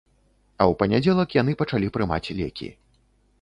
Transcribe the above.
А ў панядзелак яны пачалі прымаць лекі.